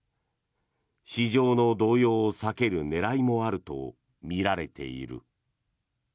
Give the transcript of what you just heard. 市場の動揺を避ける狙いもあるとみられている。